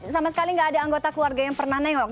sama sekali nggak ada anggota keluarga yang pernah nengok